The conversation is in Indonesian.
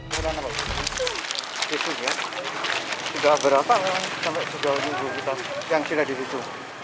berapa orang yang sudah disitu